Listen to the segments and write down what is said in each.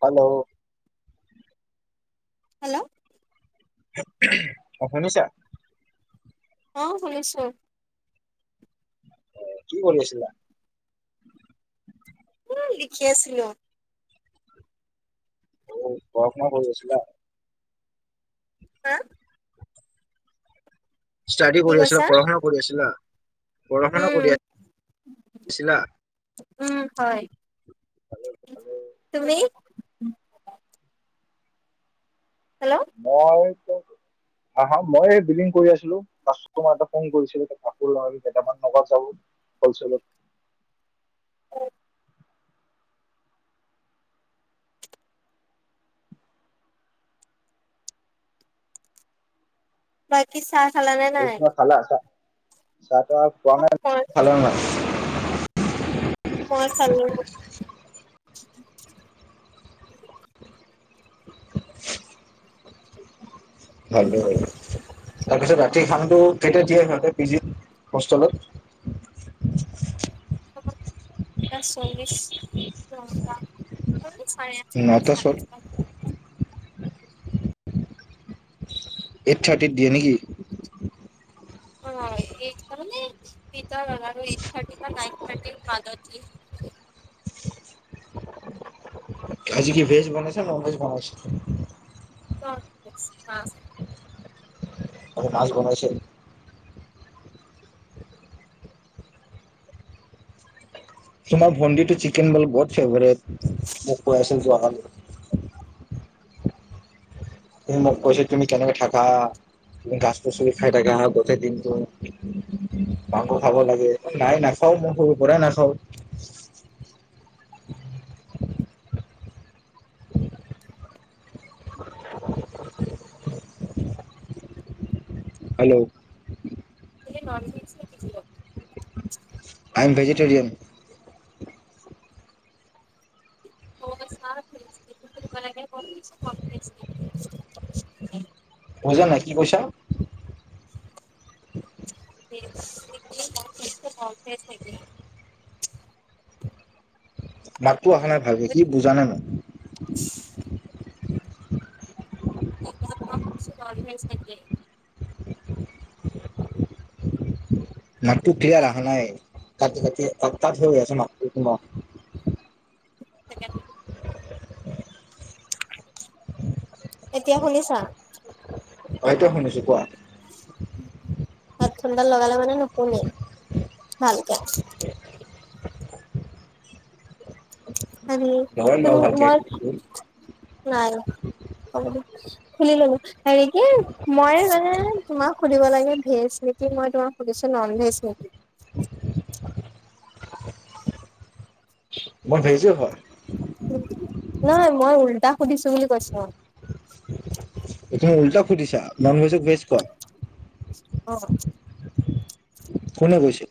Hello hello অ' শুনিছা? অ' শুনিছো। অ কি কৰিছিলা? এ লিখি আছিলো। অ হ'ম ৱৰ্ক কৰি আছিলা। হা, ষ্টাডী কি কৰি আছিলা, কৈছা পঢ়া শুনা কৰি আছিলা? পঢ়া শুনা উম কৰি আছিলা? উম, হয় তুমি? হেল্ল' মই হা হা, মই এই বিলিং কৰি আছিলো, কাষ্টমাৰ এটা ফোন কৰিছিলে, [unintelligible] হ'লচেলত। বাকি চাত [unintelligible] আছা। অ মই [unintelligible] [unintelligible] মই চালো। [inaudible] [inaudible] [unintelligible] তাৰ পিছত ৰাতি খানাটো কেতিয়া দিয়ে সিহঁতে পিজিত, হোষ্টেলত? [unintelligible] টা চল্লিছ। [unintelligible] চাৰে আঠটাৰ নটা চত পৰা [unintelligible] এইট থাৰ্টিত দিয়ে নেকি? অ এই [unintelligible] [unintelligible] এইট থাৰ্টি বা নাইন থাৰ্টি মাজত। [unintelligible] আজি কি ভেজ বনাইছে নন-ভেজ বনাইছে? [unintelligible] অ', মাছ বনাইছে? তোমাৰ ভণ্টিটো চিকেন বলে বহুত ফেভৰিট, মোক কৈ আছিল যোৱা কালি। তুমি মোক কৈছা তুমি কেনেকে থাকা, তুমি গাছ পাচলি খাই থাকা গোটেই দিনটো। মাংস খাব লাগে, নাই নাখাও মই সৰুৰ পৰাই নাখাওঁ। [inaudible] হেল্ল'। তুমি নন-ভেজ নেকি বুলো? আইম ভেজিটেৰিয়ান। অ', [unintelligible] লাগে। [unintelligible] [unintelligible] বুজা নাই, কি কৈছা? [unintelligible] [unintelligible] [unintelligible] [unintelligible] [unintelligible] অহা নাই ভালকে, কি বুজা নাই মই। [inaudible] [unintelligible] ননভেজ নেকি? মাতটো ক্লিয়াৰ আহা নাই। কতি-কতি আ কাত হৈ গৈ আছে মাতটো তোমাৰ। চিকেন এতিয়া শুনিছা? অ', এতিয়া শুনিছো, কোৱা। [inaudible] হোডফোনডাল লগালে মানে নুশুনি, ভালকে। আৰু লগাই তু লোৱা ভালকে মই, নাই [unintelligible] খুলি ল'লো। হেৰী কি মই মানে তোমাক সুধিব লাগে ভেজ নেকি? মই তোমাক সুধিছো নন ভেজ নেকি? [inaudible] মই ভেজো হয়। উম, নহয়, মই উল্টা সুধিছো বুলি কৈছো। তুমি উল্টা সুধিছা, ননভেজক ভেজ কোৱা। অ'। কোনে কৈছে?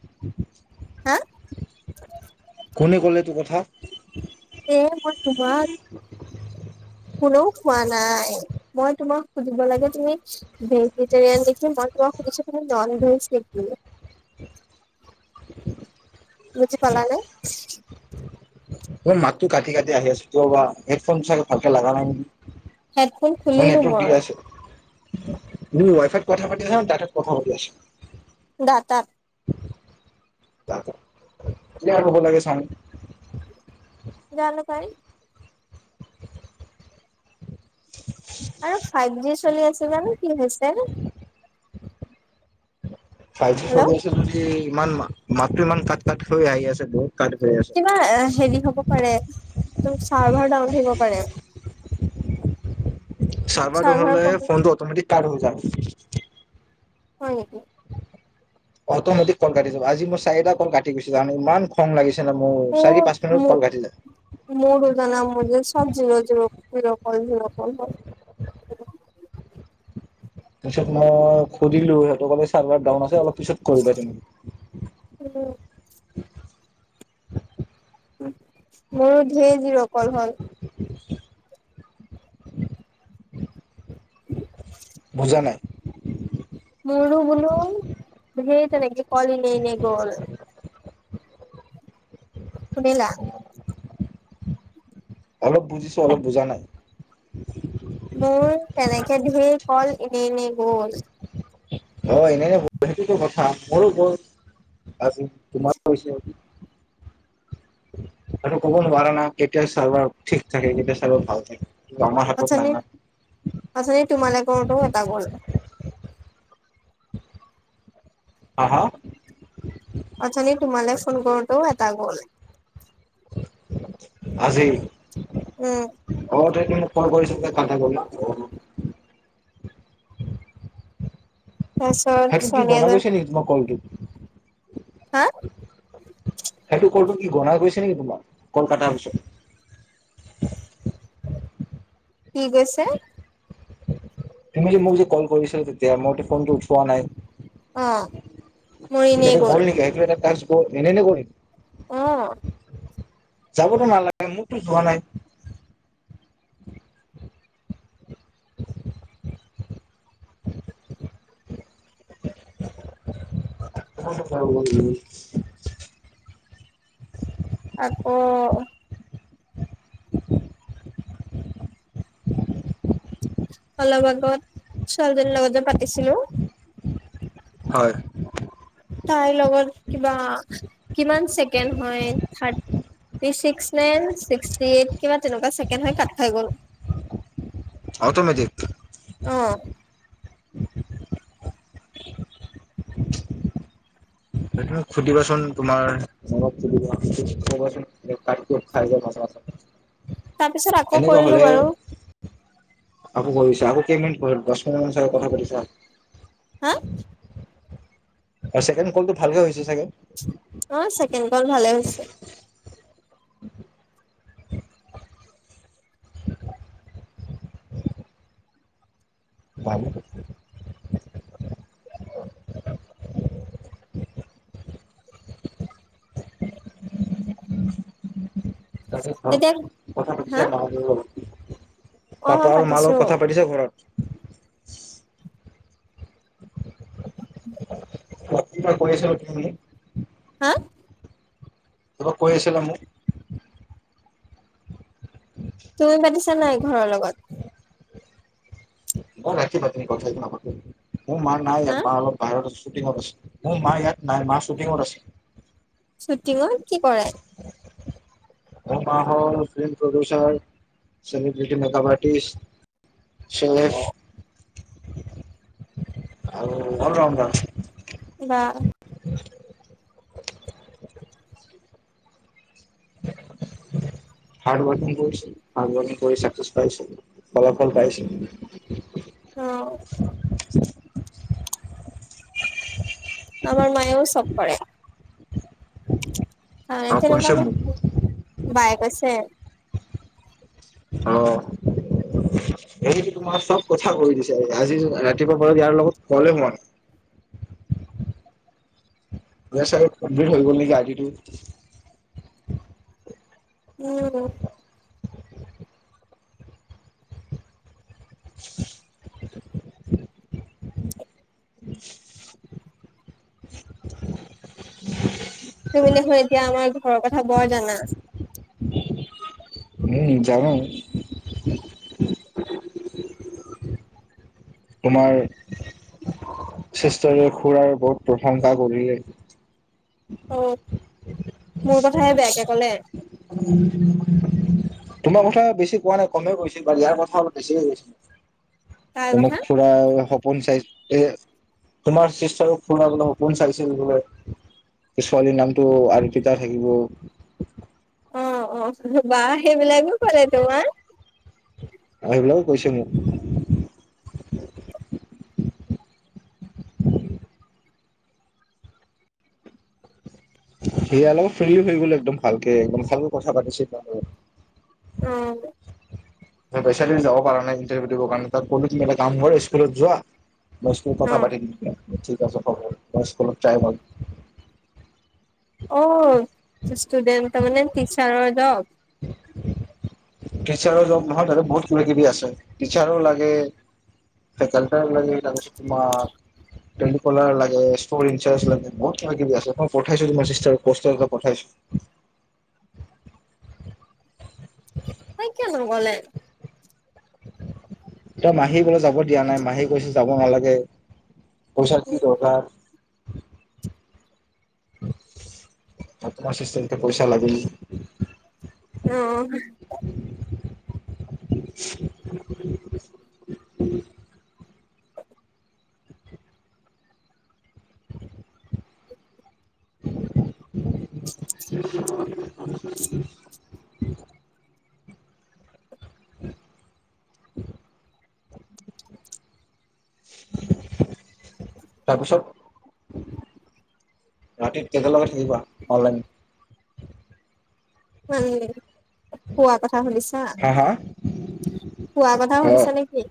হা কোনে ক'লে এইটো কথা? এ মই তোমাক, কোনেও কোৱা নাই। মই তোমাক সুধিব লাগে তুমি ভেজিটেৰিয়ান নেকি? মই সুধিছো তুমি ননভেজ নেকি? [inaudible] বুজি পালানে? তোমাৰ মাতটো কাটি-কাটি আহি আছো। কিয় বা? হেডফোন চাগে ভালকে লগা নাই নেকি? হেডফোন খুলিলো নেটৱৰ্ক দি মই। আছে তুমি ৱাইফাইত কথা পাতি আছানে, দাতাত কথা পাতি আছা? দাতাত। দাতা ক্লিয়াৰ হ'ব লাগে চাউণ্ড। জানো পাই। আৰু ফাইভ জি চলি আছো জানো কি হৈছে। ফাইভ জি চলি হেল্ল' আছে যদি ইমান মাতটো ইমান কাট কাট হৈ আহি আছে বহুত কাট হৈ আছে। কিবা হেৰি হ'ব পাৰে ত' চাৰ্ভাৰ ডাউন থাকিব পাৰে। চাৰ্ভাৰ ডাউন হ'লে ফোনটো অটোমেটিক কাট হৈ যায়। হয় নেকি? অটোমেটিক ক'ল কাটি যাব, আজি মই চাৰিটা ক'ল কাটি গৈছে তাৰমানে ইমান খং লাগিছিল অ মৰুুদানা মজ চবজি ৰজ ৰ [unintelligible] [unintelligible] জিৰ' কল জিৰ' কল হয় [unintelligible] তাৰপিছত মই সুধিলো সিহঁতকলে চাৰ্ভাৰ ডাউন আছে অলপ পিছত কৰিবা উম, তুমি [unintelligible] মোৰো ধঢেৰ জিৰ কল হল। [unintelligible] বুজা নাই। মু়ু বলো হে নেকি কল এনে গল। শুনিলা। অলপ বুজিছো অলপ বুজা নাই। মোৰ তেনেকে ধেৰ কল এনে নি গল। হয় এনেনে বল সেইটোতো কথা মোৰো গ'ল। আজি তোমাৰো হৈছে। আৰু কৱ নোৱাৰা না কেইতিয়া চাৰ্ভাৰ ঠিক থাকে কেতিয়া চাৰ্ভাৰ ভাল থাকে। আমাৰ ৰ হাতত নাই অথনি না অথনি তোমালে কৰোতে এটা গল। হা, হা। অথনি তোমালৈ ফোন কৰোতেও এটা গল। আজি উম অ তেই কল কৰিছে যে কাটা গল না তাৰপিছত সেইটো কি ছোৱালী গনা এজন গৈছে নেক তোমাৰ কলটোত হা। সেইটো কলটো কি গনাই গৈছে নেকি তোমাৰ কলকাতাৰ পিছত কি গৈছে। তুমি যে মোক যে কল কৰিছা তেতিয়া ম ফোনটো উঠোৱা নাই। অ মৰ এনে গ'ল। ওহ এনে [unintelligible] আহ। যাবতো নালাগে মোৰতো যোৱা নাই। [unintelligible] [unintelligible] আকৌ [unintelligible] অলপ আগত ছোৱালীজনীৰ লগত যে পাতিছিলো। হয়। তাইৰ লগত কিবা কিমান চেকেণ্ড হয় third six nine sixty eight কিবা তেনেকুৱা চেকেণ্ড হয় কাত খাই গ'ল। অট'মেটিক। অ [unintelligible] [unintelligible] তুম সুধিবাচোন তোমাৰ মেমক খুিবাচোন কাত খাই যায় মাজত। তাৰ পিছত আকৌ কৰিলো বাৰু। আকৌ কৈৰিছা আকৌ কেই মিনিট পাঁচ মিনিট মানৰ পাছত কথা পাতিছা। হা আৰু ছেকেণ্ড ক'লটো ভালকে হৈছে চাগে অ' ছেকেণ্ড ক'ল ভালে হৈছে। উম [unintelligible] [unintelligible] [unintelligible] তাক তেতিয়া কথা হা পাতিচা তাহতৰ লগত অ মই তাৰপৰা আৰু মাৰ পাতিছো লগত কথা পাতিছে ঘৰত কি আছিলা তুমি হা [inaudible] কিবা কৈ আছিলা মোক [inaudible] তুমি পাতিছা নাই ঘৰৰ লগত ম ৰাখি পাতিনি কথাাই কি নাপাতি মোৰ মা নাই হা এয়াট বাহিৰত অ মোৰ মা ইয়াত নাই মা শ্বুটিঙত আছে শ্বুটিঙৰ কি কৰায়- মোৰ মা হল film producer celebrity makeup artist chef আৰু অল ৰাওডাৰ বা হাৰ্ ৱকিং কৰিছিল হাৰ্ড ৱকিং কৰি চাকছ পাইছে [inaudible] ফলাফল পাইছে অ [inaudible] আমাৰ মায়ে চব পাৰে অ আৰু তেনেকুৱা কৈছে মোক [unintelligible] বায়েক কৈছে অ', সেই তোমাৰ চব কথা কৈ দিছে, আজি ৰাতিপুৱা পৰা ইয়াৰ লগত ক'লে হোৱা নাই। ইয়াৰ চাগে কমপ্লিট হৈ গ'ল নেকি [unintelligible] [unintelligible] [inaudible] [inaudible] তুমি দেখো এতিয়া আমাৰ ঘৰৰ কথা বৰ জানা। উম, জানো। [inaudible] [inaudible] তোমাৰ, চিষ্টাৰে খুৰাৰ বহুত প্ৰশংসা কৰিলে। অ', মোৰ কথাহে বেয়াকে কলে। তোমাৰ কথা বেছি কোৱা নাই, কমেই কৈছিল বাৰু ইয়াৰ কথা অলপ বেছিকে কৈছিল। কাৰ কথা তোমাক খুৰা সপোন চাই এ তোমাৰ চিষ্টাৰো ফোনাবলৈ সপোন চাইছিল বোলে, ছোৱালীৰ নামটো আংকিতা থাকিব। অ অ বাহ সেইবিলাকো ক'লে তোমাক। আৰু সেইবিলাকো কৈছে মোক। সেয়া অলপত ফ্ৰ্ৰী হৈ গ' একদম ভালকে একদম ভালকে কথা পাতিছে। অ পেচ যাব নাই ইটাৰভিউ দিব কাৰণাই ত ক'লো তুমি এটা কাম স্কুলত যোৱা দচ মিনিট অ কথা পাতি তেতিয়া। ঠিক আছে ত মই স্কুলত যাই মাৰিম। অ ষ্টুডেন্ট তাৰমানে টিচাৰৰ জব কেছাৰৰ দৰমহাত আৰু ধেই কিবা কিবি আছে, টিচাৰও লাগে, ফেকলতাৰ লাগে তাৰপিছত তোমাৰ পেনিকলৰ লাগে, ষ্টৰ ইনচাৰ্জ লাগে বহুত কিবা কিবি আছে। মই পঠাইছো তোমাৰ চিষ্টাৰক পষ্টাৰ কেইখন পঠাইছো। তাই কি নগলে? এয়া মাহী গলে যাব দিয়া নাই মাহী গৈছো যাব নালাগে। পইচা কি দৰকাৰ? আ তোমাৰ সিষ্টতে পইচা লাগেই। উম। [unintelligible] [unintelligible] তাৰপিছত ৰাতিত কেইটালগে থাকিব শুৱা অনলাইন। মানে শুৱা কথা সুধিছা হা হা শুৱা কথা সুধিছা নেকি?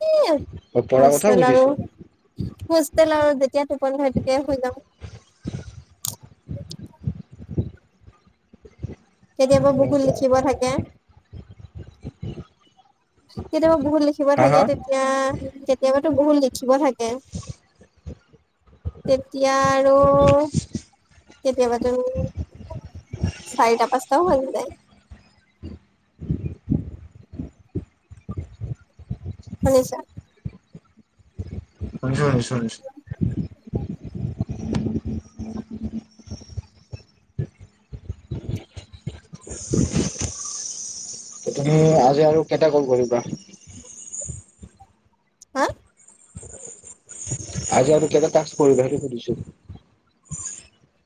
[unintelligible] অ পঢ়াৰ কথাও সুধিছো। হোষ্টেলত যেতিয়া টোপনি হয় তেতিয়াই শুই যাম। [unintelligible] কেতিয়াবা বুকু লিখিব থাকে। কেতিয়াবা বহুত লিখিব হা থাকে হা তেতিয়া কেতিয়াবা টো বহুত দেখিব থাকে তেতিয়া আৰু কেতিয়াবাতো চাৰিটা পাঁচটাও হৈ যায়। শুনিছা। নিশয় নিশ্চয় নিশ্চয়। তুমি আজি আৰু কেইটা কল কৰিবা? উম। হা। আজি আৰু কেইটা তাস্ক কৰিবা সেইটো সুধিছো।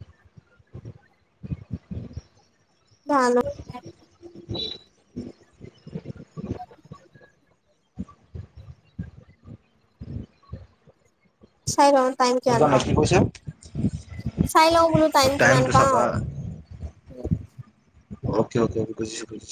ভাল [unintelligible] চাই লওঁ। টাইম কিমান জানো পাওঁ। কি কৈছে? চাই লওঁ বোলো টাইম কিমান টাইমটো চাবা পাওঁ। অকে অকে বুজিছোঁ বুজিছোঁ।